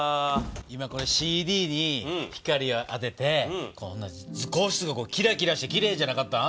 今これＣＤに光を当てて図工室がキラキラしてきれいじゃなかった？